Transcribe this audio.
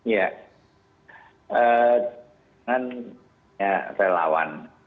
ya dengan relawan